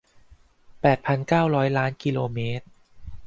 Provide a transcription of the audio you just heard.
แปดพันเก้าร้อยล้านกิโลเมตร